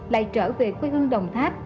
lại trở về quê hương đồng tháp